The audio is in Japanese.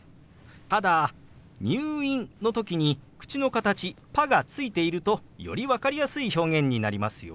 ただ「入院」の時に口の形「パ」がついているとより分かりやすい表現になりますよ。